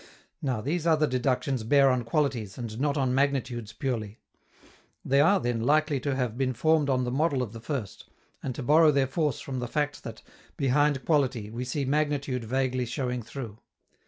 Now, these other deductions bear on qualities, and not on magnitudes purely. They are, then, likely to have been formed on the model of the first, and to borrow their force from the fact that, behind quality, we see magnitude vaguely showing through.